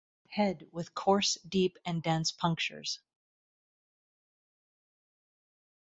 Head with coarse deep and dense punctures.